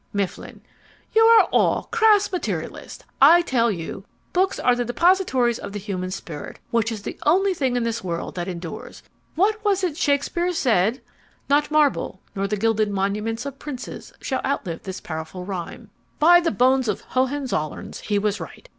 MIFFLIN You are all crass materialists. I tell you, books are the depositories of the human spirit, which is the only thing in this world that endures. What was it Shakespeare said Not marble nor the gilded monuments Of princes shall outlive this powerful rhyme By the bones of the Hohenzollerns, he was right!